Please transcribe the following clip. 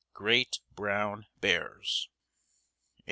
GREAT BROWN BEARS. 8.